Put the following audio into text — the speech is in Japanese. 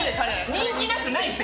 人気なくないです